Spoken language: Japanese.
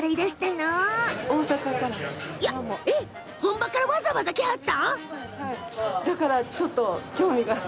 本場からわざわざ来はったん？